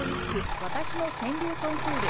わたしの川柳コンクール